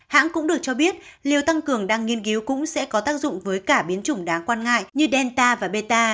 hãng cũng được cho biết liệu tăng cường đang nghiên cứu cũng sẽ có tác dụng với cả biến chủng đáng quan ngại như delta và beta